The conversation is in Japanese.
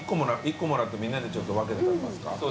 １個もらってみんなでちょっと分けて食べますか？